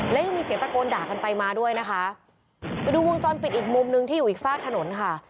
และยังมีเสียงตะโกนด่ากันไปมาด้วยนะคะไปดูวงจรปิดอีกมุมหนึ่งที่อยู่อีกฝากถนนค่ะ